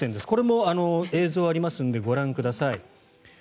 これも映像がありますのでご覧ください。